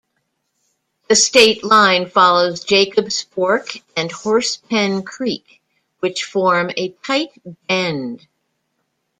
The state line follows Jacobs Fork and Horsepen Creek, which form a tight bend.